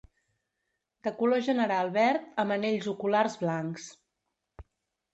De color general verd amb anells oculars blancs.